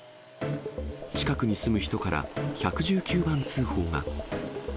近くに住む人から、１１９番通報が。